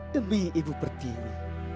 demi ibu pertini